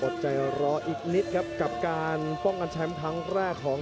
อดใจรออีกนิดครับกับการป้องกันแชมป์ครั้งแรกของ